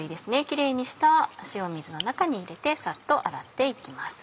キレイにした塩水の中に入れてサッと洗って行きます。